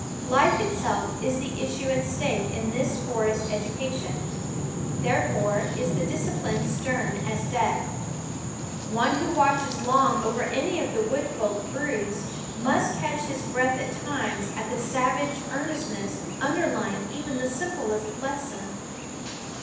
Life itself is the issue at stake in this forest education ; therefore is the discipline stern as death. One who watches long over any of the wood folk broods must catch his breath at times at the savage earnestness underlying even the simplest lesson.